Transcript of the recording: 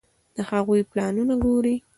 د هغوی پلانونه ګوري.